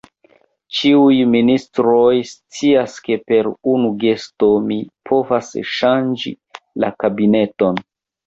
Ĉiuj ministroj scias, ke per unu gesto mi povas ŝanĝi la kabineton.